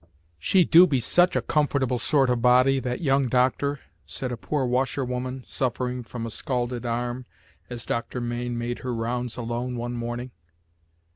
"She do be such a comfortable sort of body, that young doctor," said a poor washerwoman, suffering from a scalded arm, as Doctor Mayne made her rounds alone one morning.